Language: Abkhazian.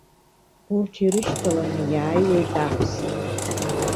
Урҭ ирышьҭаланы иааиуеит аҳәса.